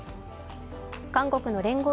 韓国の聯合